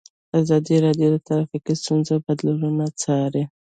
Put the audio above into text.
ازادي راډیو د ټرافیکي ستونزې بدلونونه څارلي.